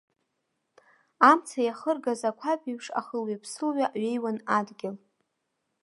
Амца иахыргаз ақәаб еиԥш, ахылҩаԥсылҩа ҩеиуан адгьыл.